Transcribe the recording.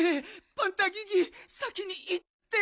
パンタギギ先にいって。